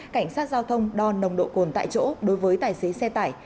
cảnh sát giao thông đo nồng độ cồn tại chỗ đối với tài xế xe tải